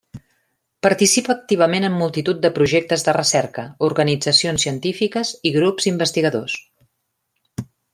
Participa activament en multitud de projectes de recerca, organitzacions científiques i grups investigadors.